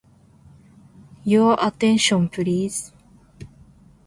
Your attention, please.